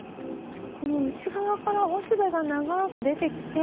この内側からおしべが長く出てきて。